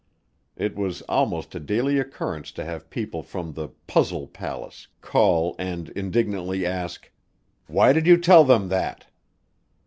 It was almost a daily occurrence to have people from the "puzzle palace" call and indignantly ask, "Why did you tell them that?"